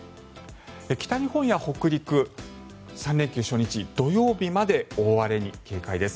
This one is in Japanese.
北日本や北陸、３連休初日の土曜日まで大荒れに警戒です。